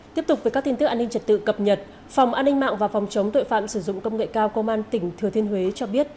tiếp tục với các tin tức an ninh trật tự cập nhật phòng an ninh mạng và phòng chống tội phạm sử dụng công nghệ cao công an tỉnh thừa thiên huế cho biết